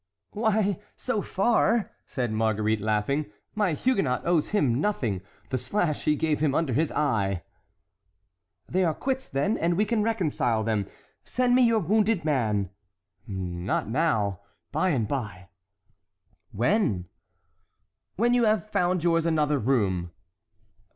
"Why, so far," said Marguerite, laughing, "my Huguenot owes him nothing; the slash he gave him under his eye"— "They are quits, then, and we can reconcile them. Send me your wounded man." "Not now—by and by." "When?" "When you have found yours another room."